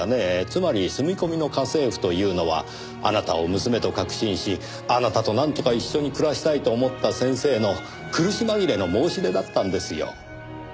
つまり住み込みの家政婦というのはあなたを娘と確信しあなたとなんとか一緒に暮らしたいと思った先生の苦し紛れの申し出だったんですよ。